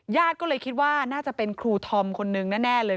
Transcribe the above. ญาติก็เลยคิดว่าน่าจะเป็นครูธอมคนนึงแน่เลย